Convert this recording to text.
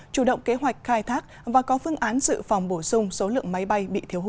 chủ động kế hoạch khai thác và có phương án dự phòng bổ sung số lượng máy bay bị thiếu hụt